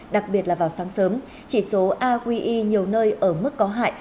đặc biệt là vào sáng sớm chỉ số aqi nhiều nơi ở mức có hại